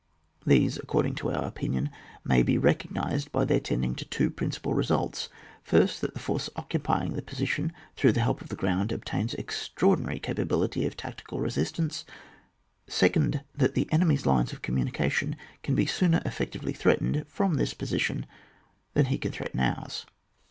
These, according to our opinion, may be recognised by their tend ing to two principal results: first, that the force occupying the position, through the help of the ground, obtains extra ordinary capability of tactical resistance ; second, that the enemy's linos of com munication can be sooner efieotively threatened from this position than he cou threaten ours.